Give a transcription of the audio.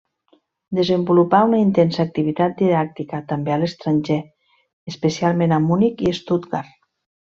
Desenvolupà una intensa activitat didàctica, també a l'estranger, especialment a Munic i Stuttgart.